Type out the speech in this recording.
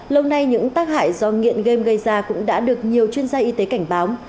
lâu nay những tác hại do nghiện game gây ra cũng đã được nhiều chuyên gia y tế cảnh báo